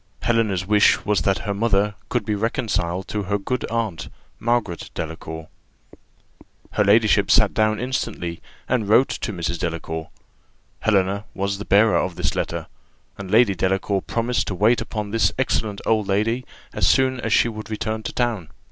Helena's wish was, that her mother could be reconciled to her good aunt, Margaret Delacour. Her ladyship sat down instantly, and wrote to Mrs. Delacour. Helena was the bearer of this letter, and Lady Delacour promised to wait upon this excellent old lady as soon as she should return to town.